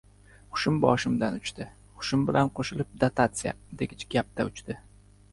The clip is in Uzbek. Hushim boshimdan uchdi. Hushim bilan qo‘shilib dotatsiya, degich gap-da uchdi.